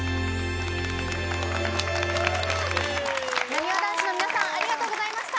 なにわ男子の皆さんありがとうございました。